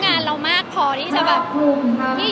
ขอให้เจ๋นได้แล้วเลยน่ะค่ะแฮี้ย